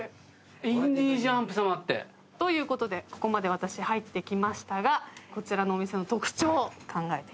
「インディ・ジャーンプ様」って。ということでここまで私入ってきましたがこちらのお店の特徴を考えてみてください。